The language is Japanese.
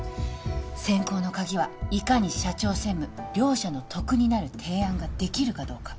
選考の鍵はいかに社長専務両者の得になる提案ができるかどうか